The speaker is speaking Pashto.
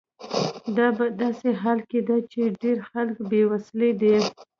دا په داسې حال کې ده چې ډیری خلک بې وسیلې دي.